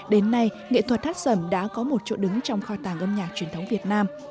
đến nay nghệ thuật hát sẩm đã có một chỗ đứng trong kho tàng âm nhạc truyền thống việt nam